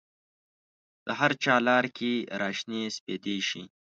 د هرچا لار کې را شنې سپیدې شي